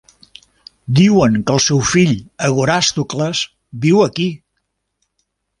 Diuen que el seu fill Agorastocles viu aquí.